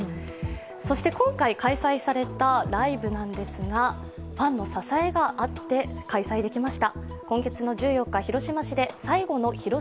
そして今回、開催されたライブなんですがファンの支えがあって開催されました。